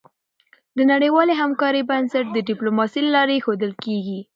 د نړیوالې همکارۍ بنسټ د ډيپلوماسی له لارې ایښودل کېږي.